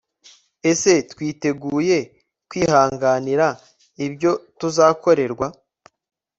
ese twiteguye kwihanganira ibyo tuzakorerwa